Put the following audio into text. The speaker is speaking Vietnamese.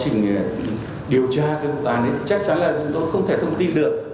chi tiết cái quá trình điều tra cái vụ án đấy chắc chắn là chúng tôi không thể thông tin được